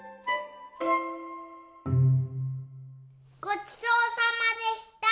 ごちそうさまでした。